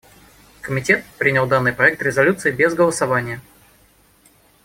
Комитет принял данный проект резолюции без голосования.